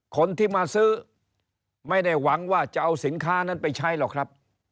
คนที่มาซื้อไม่ได้หวังว่าจะเอาสินค้านั้นไปใช้หรอกครับ